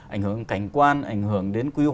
ảnh hưởng cảnh quan ảnh hưởng đến quy hoạch